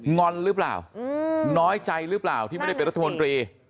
อนหรือเปล่าน้อยใจหรือเปล่าที่ไม่ได้เป็นรัฐมนตรี